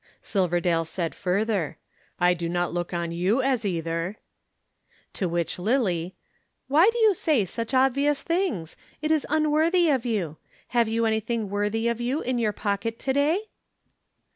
Silverdale said further, "I do not look on you as either." To which, Lillie, "Why do you say such obvious things? It is unworthy of you. Have you anything worthy of you in your pocket to day?"